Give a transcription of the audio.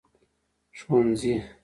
ښوونځي